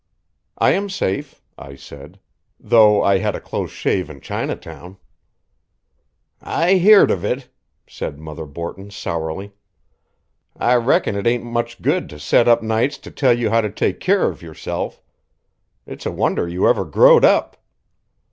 "I am safe," I said, "though I had a close shave in Chinatown." "I heerd of it," said Mother Borton sourly. "I reckon it ain't much good to sit up nights to tell you how to take keer of yourself. It's a wonder you ever growed up.